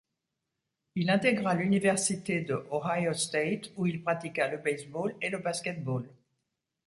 Il intégra l'université de Ohio State où il pratiqua le baseball et le basket-ball.